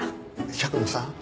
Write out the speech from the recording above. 百野さん